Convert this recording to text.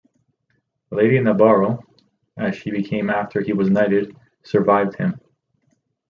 Lady Nabarro, as she became after he was knighted, survived him.